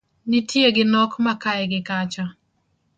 Nitie gi nok ma kae gi kacha